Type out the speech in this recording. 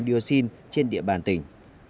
dioxin trên địa bàn tỉnh